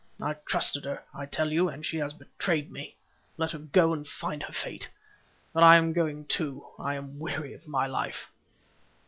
I trusted her, I tell you, and she has betrayed me. Let her go and find her fate. But I am going too. I am weary of my life."